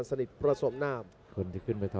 มีความรู้สึกว่า